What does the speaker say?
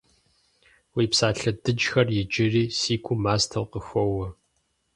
Уи псалъэ дыджхэр иджыри си гум мастэу къыхоуэ.